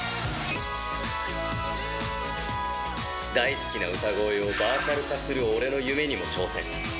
大好きな歌声をバーチャル化する俺の夢にも挑戦。